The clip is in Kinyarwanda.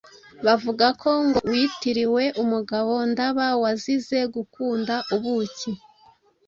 bavuga ko ngo rwitiriwe umugabo Ndaba wazize gukunda ubuki.